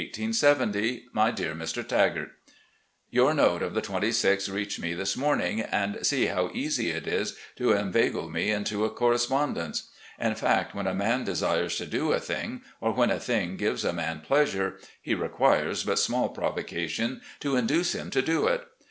"My Dear Mr. Tagart: Your note of the 26th reached me this morning, and see how easy it is 'to inveigle me in^to a correspondence.' In fact, when a man desires to do a thing, or when a thing gives a man pleasure, he LAST DAYS 433 requires but small provocation to induce him to do it.